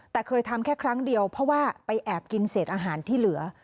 แต่เคยทำแค่ครั้งเดียวเพราะว่าไปแอบกินเศษอาหารที่เหลือ